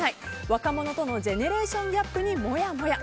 若者とのジェネレーションギャップにもやもや。